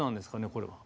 これは。